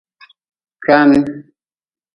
Kwaan.